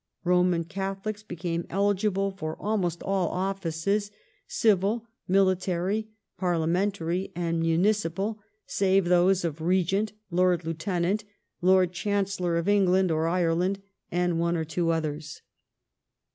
Roman Catholics became eligible for almost all offices, civil, military, parliamentary, and municipal, save those of Regent, Lord Lieu tenant, Lord Chancellor of England or Ireland, and one or two others.